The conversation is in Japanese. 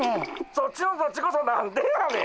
そっちのそっちこそ何でやねん。